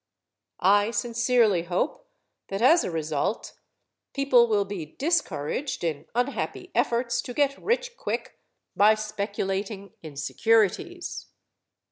I sincerely hope that as a result people will be discouraged in unhappy efforts to get rich quick by speculating in securities.